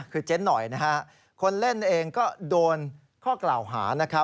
คือเจ๊นหน่อยคนเล่นเองก็โดนข้อกล่าวหา